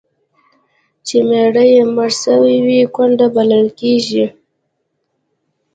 چي میړه یې مړ سوی وي، کونډه بلل کیږي.